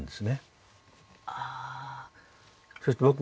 そして僕。